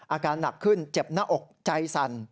อาการหนักขึ้นเจ็บหน้าอกใจสั่น